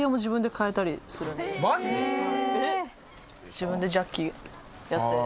自分でジャッキやったり。